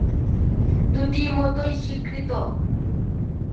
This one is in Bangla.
দুটি মতই স্বীকৃত।